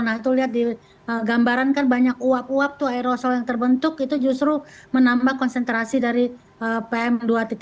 nah itu lihat di gambaran kan banyak uap uap tuh aerosol yang terbentuk itu justru menambah konsentrasi dari pm dua ratus tiga